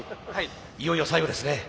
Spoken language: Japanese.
いよいよ最後ですね。